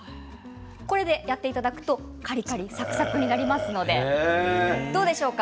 これでやっていただくとカリカリサクサクになりますのでどうでしょうか？